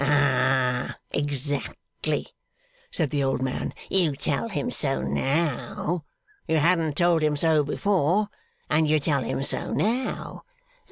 'Ah! Exactly,' said the old man. 'You tell him so now. You hadn't told him so before, and you tell him so now.